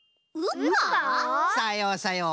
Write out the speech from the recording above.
さようさよう。